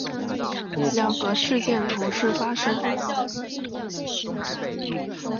两个事件同时发生